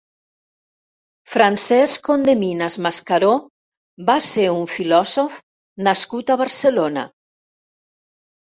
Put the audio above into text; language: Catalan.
Francesc Condeminas Mascaró va ser un filòsof nascut a Barcelona.